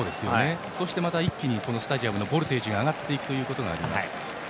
そしてまた一気にスタジアムのボルテージが上がっていくということがあります。